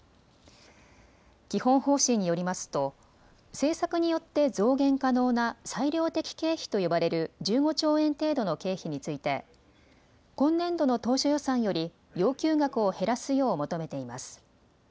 基本方針によりますと政策によって増減可能な裁量的経費と呼ばれる１５兆円程度の経費について今年度の当初予算より要求額を減らすよう求めています。